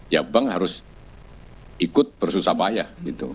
ya bank harus ikut bersusah payah gitu